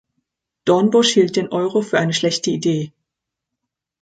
Dornbusch hielt den Euro für eine schlechte Idee.